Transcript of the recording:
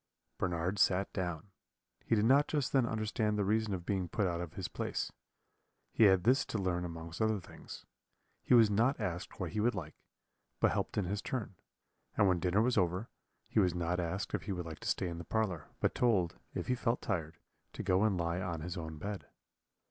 Bernard sat down. He did not just then understand the reason of being put out of his place he had this to learn amongst other things. He was not asked what he would like, but helped in his turn; and when dinner was over, he was not asked if he would like to stay in the parlour, but told, if he felt tired, to go and lie on his own bed.